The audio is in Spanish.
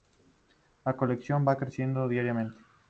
La colección va creciendo diariamente.